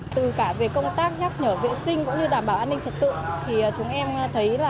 từ cả về công tác nhắc nhở vệ sinh cũng như đảm bảo an ninh trật tự thì chúng em thấy là